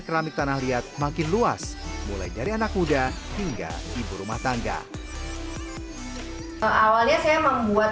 keramik tanah liat makin luas mulai dari anak muda hingga ibu rumah tangga awalnya saya membuat